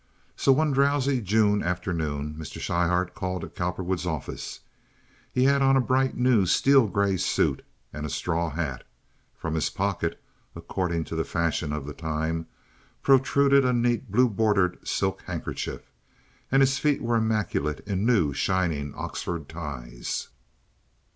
So one drowsy June afternoon Mr. Schryhart called at Cowperwood's office. He had on a bright, new, steel gray suit and a straw hat. From his pocket, according to the fashion of the time, protruded a neat, blue bordered silk handkerchief, and his feet were immaculate in new, shining Oxford ties.